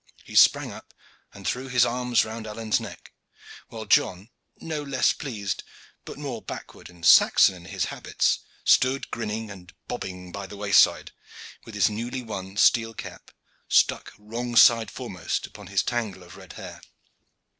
He sprang up and threw his arms round Alleyne's neck, while John, no less pleased, but more backward and Saxon in his habits, stood grinning and bobbing by the wayside, with his newly won steel cap stuck wrong side foremost upon his tangle of red hair.